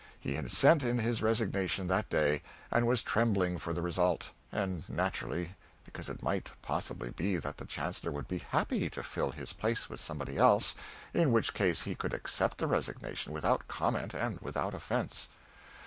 He had sent in his resignation that day, and was trembling for the result; and naturally, because it might possibly be that the chancellor would be happy to fill his place with somebody else, in which case he could accept the resignation without comment and without offence.